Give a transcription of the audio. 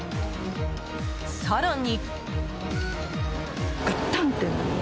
更に。